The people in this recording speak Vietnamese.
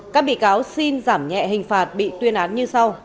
các bị cáo xin giảm nhẹ hình phạt bị tuyên án như sau